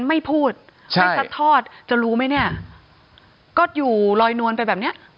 ไม่พูดไม่ซัดทอดจะรู้ไหมเนี่ยก็อยู่ลอยนวลไปแบบเนี้ย